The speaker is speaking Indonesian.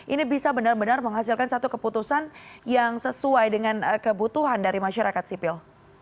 ini bisa benar benar menghasilkan satu keputusan yang sesuai dengan kebutuhan dari masyarakat sipil